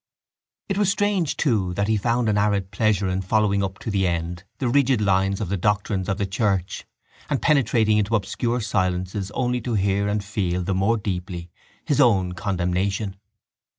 It was strange too that he found an arid pleasure in following up to the end the rigid lines of the doctrines of the church and penetrating into obscure silences only to hear and feel the more deeply his own condemnation.